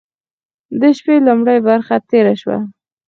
د شپې لومړۍ برخه تېره وه.